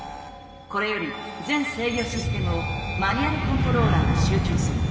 これより全制御システムをマニュアルコントローラーに集中する。